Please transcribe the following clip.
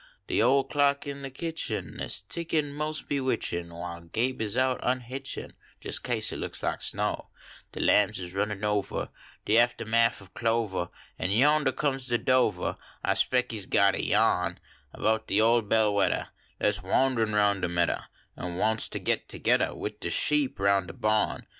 De ole clock in de kitchen Is tickin inos bevvitchin , While (kibe is out unhitchin Just kase it looks like snow. De lambs is runnin over De aftalimath ob clovah, An yondah comes de drovah ; I spec lie s got a yalni About de ole bell weddah Dat s wand rin roun de nieddah An wants ter git togeddah \Yid de sheep up roun de balm.